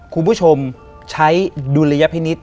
คุณผู้ชมใช้ดุลยพินิษฐ